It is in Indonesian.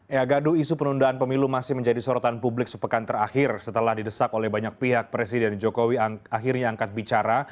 ya gaduh isu penundaan pemilu masih menjadi sorotan publik sepekan terakhir setelah didesak oleh banyak pihak presiden jokowi akhirnya angkat bicara